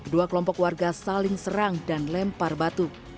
dua kelompok warga saling serang dan lempar batu